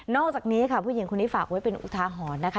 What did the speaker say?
อกจากนี้ค่ะผู้หญิงคนนี้ฝากไว้เป็นอุทาหรณ์นะคะ